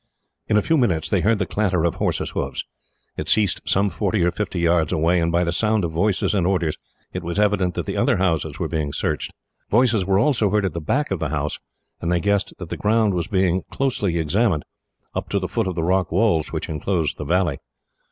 In a few minutes, they heard the clatter of horses' hoofs. It ceased some forty or fifty yards away, and by the sound of voices and orders, it was evident that the other houses were being searched. Voices were also heard at the back of the house, and they guessed that the ground was being closely examined, up to the foot of the rock walls which enclosed the valley.